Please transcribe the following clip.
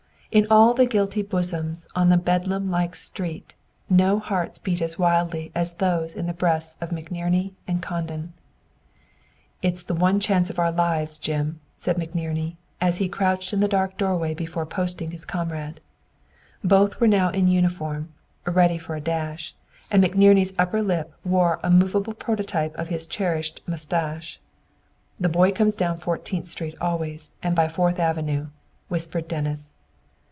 In all the guilty bosoms on the bedlam like street no hearts beat as wildly as those in the breasts of McNerney and Condon. "It's the one chance of our lives, Jim," said McNerney, as he crouched in a dark doorway before posting his comrade. Both were now in uniform, ready for a dash, and McNerney's upper lip wore a movable prototype of his cherished mustache. "The boy comes down Fourteenth Street always and by Fourth Avenue," whispered Dennis.